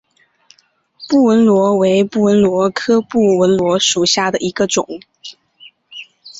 布纹螺为布纹螺科布纹螺属下的一个种。